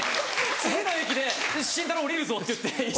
次の駅で「慎太郎降りるぞ」って言って。